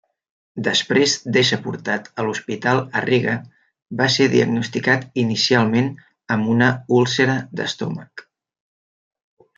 Després d'ésser portat a l'hospital a Riga, va ser diagnosticat inicialment amb una úlcera d'estómac.